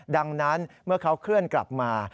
ดังนั้นเมื่อเขาเคลื่อนกลับมา